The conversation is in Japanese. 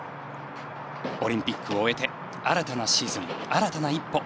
オリンピックを終えて新たなシーズン、新たな一歩